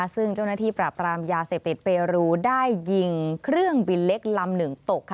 ซึ่งเจ้าหน้าที่ปราบรามยาเสพติดเปรูได้ยิงเครื่องบินเล็กลำหนึ่งตก